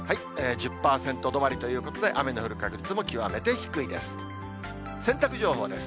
１０％止まりということで、雨の降る確率も極めて低いです。